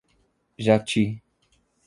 Jati